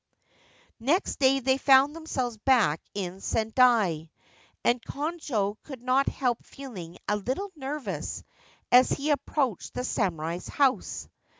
Next day they found themselves back in Sendai, and Konojo could not help feeling a little nervous as he approached the samurai's house.